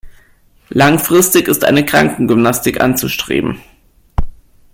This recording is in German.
Langfristig ist eine Krankengymnastik anzustreben.